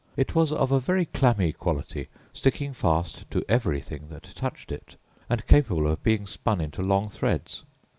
It was of a very clammy quality, sticking fast to everything that touched it, and capable of being spun into long threads.